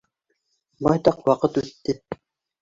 Байтаҡ ваҡыт үтте.